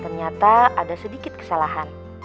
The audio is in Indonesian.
ternyata ada sedikit kesalahan